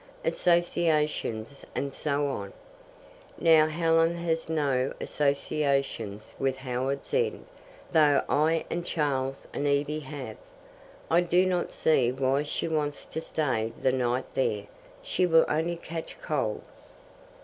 Associations and so on. Now Helen has no associations with Howards End, though I and Charles and Evie have. I do not see why she wants to stay the night there. She will only catch cold."